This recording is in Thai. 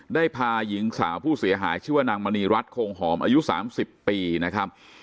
ได้พาหญิงสาวผู้เสียหายชื่อว่านางมณีรัฐโคงหอมอายุ๓๐ปีนะครับ